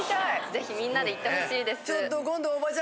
ぜひみんなで行ってほしいです。